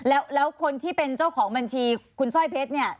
แล้วคนที่เป็นเจ้าของบัญชีคุณสร้อยเพชรเนี่ย